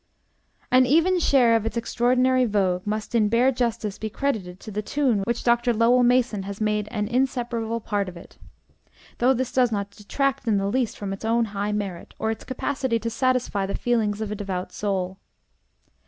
An even share of its extraordinary vogue must in bare justice be credited to the tune which Dr. Lowell Mason has made an inseparable part of it; though this does not detract in the least from its own high merit, or its capacity to satisfy the feelings of a devout soul.